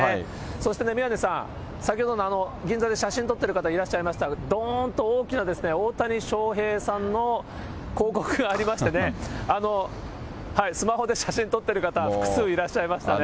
そして宮根さん、先ほど、銀座で写真撮ってる方いらっしゃいました、どーんと大きな大谷翔平さんの広告がありましてね、スマホで写真撮ってる方、複数いらっしゃいましたね。